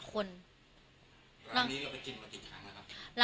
ร้านนี้ไปกินครั้งละครับ